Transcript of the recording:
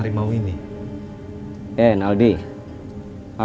kita sudah banyak kesalahan